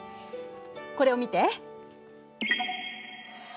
これを見て。